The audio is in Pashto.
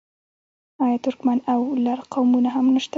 آیا ترکمن او لر قومونه هم نشته؟